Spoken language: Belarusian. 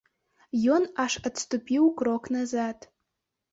Ён аж адступіў крок назад.